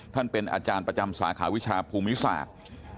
ท่านเป็นอาจารย์ประจำสาขาวิชาภูมิศาสตร์